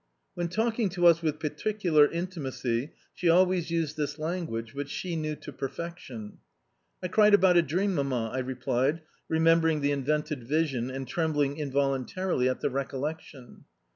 When talking to us with particular intimacy she always used this language, which she knew to perfection. "I cried about a dream, Mamma" I replied, remembering the invented vision, and trembling involuntarily at the recollection.